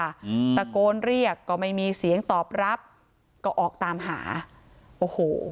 อืมตะโกนเรียกก็ไม่มีเสียงตอบรับก็ออกตามหาโอ้โห